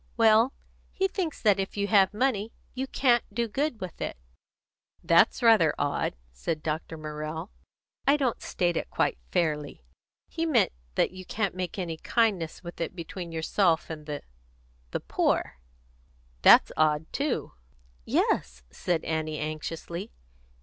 "Well, he thinks that if you have money, you can't do good with it." "That's rather odd," said Dr. Morrell. "I don't state it quite fairly. He meant that you can't make any kindness with it between yourself and the the poor." "That's odd too." "Yes," said Annie anxiously.